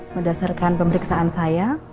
berdasarkan pemeriksaan saya